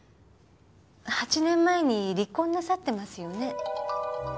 ８年前に離婚なさってますよね？